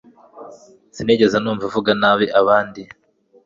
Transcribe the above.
sinigeze numva avuga nabi abandi